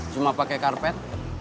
cuma pakai karpet